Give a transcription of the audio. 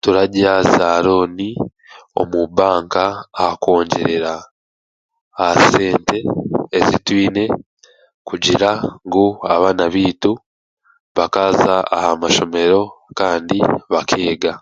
Turarya zaarooni omu banka aha kwongyerera aha sente ezitwine kugira abaana baitu bakaaza aha mashomero kandi bakeega